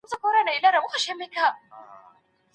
ايا د ښځي له ولي پرته نکاح کېدلای سي؟